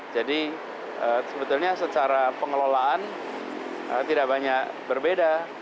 jadi sebetulnya secara pengelolaan tidak banyak berbeda